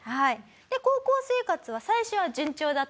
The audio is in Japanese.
高校生活は最初は順調だったんですよね？